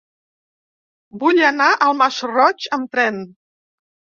Vull anar al Masroig amb tren.